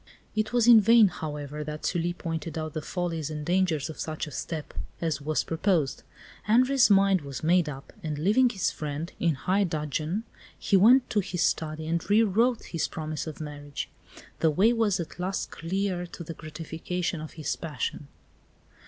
It was in vain, however, that Sully pointed out the follies and dangers of such a step as was proposed. Henri's mind was made up, and leaving his friend, in high dudgeon, he went to his study and re wrote his promise of marriage. The way was at last clear to the gratification of his passion.